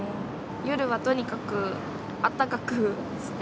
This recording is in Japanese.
夜はとにかくあったかくして。